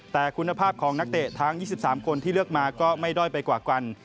แต่คุณภาพของนักเตะทั้ง๒๓คนที่เลือกมาก็ไม่ด้อยไปกว่ากัน